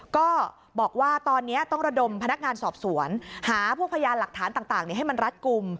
ก็บอกว่าตอนนี้ต้องระดมพนักงานสอบสวนหาพวกพยานหลักฐานต่างให้มันรัดกลุ่ม